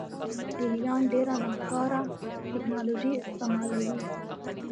لې لیان ډېره ناکاره ټکنالوژي استعملوي